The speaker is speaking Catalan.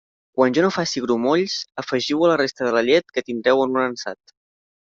Quan ja no faci grumolls, afegiu-ho a la resta de la llet que tindreu en un ansat.